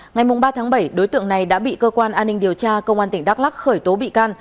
ngày ba tháng bảy đối tượng này đã bị cơ quan an ninh điều tra công an tỉnh đắk lắc khởi tố bị can